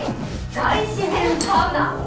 大自然サウナ」。